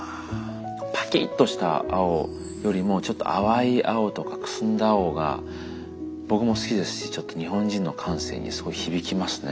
パキッとした青よりもちょっと淡い青とかくすんだ青が僕も好きですしちょっと日本人の感性にすごい響きますね。